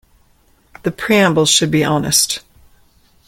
The preamble should be honest.